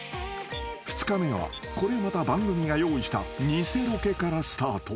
［２日目はこれまた番組が用意した偽ロケからスタート］